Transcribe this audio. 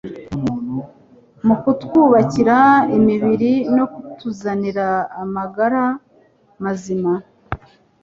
mu kutwubakira imibiri no kutuzanira amagara mazima.